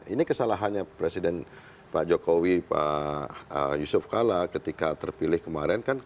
ini kesalahannya presiden pak jokowi pak yusuf kala ketika terpilih kemarin kan